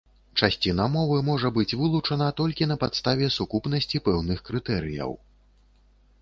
Часціна мовы можа быць вылучана толькі на падставе сукупнасці пэўных крытэрыяў.